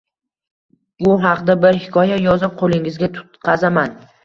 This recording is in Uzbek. Bu haqda bir hikoya yozib qo‘lingizga tutqazaman.